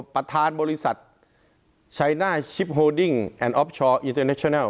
ประธานบริษัทชัยหน้าชิปโฮดิ้งแอนดออฟชอร์อินเตอร์เนชนัล